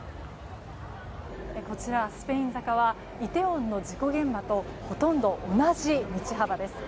こちら、スペイン坂はイテウォンの事故現場とほとんど同じ道幅です。